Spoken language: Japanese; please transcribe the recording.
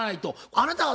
あなたは。